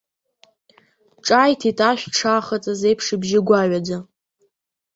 Ҿааиҭит ашә дшаахыҵыз еиԥш ибжьы гәаҩаӡа.